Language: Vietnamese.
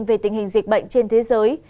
về tình hình dịch bệnh trên thế giới